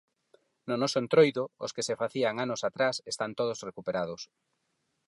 No noso Entroido, os que se facían anos atrás están todos recuperados.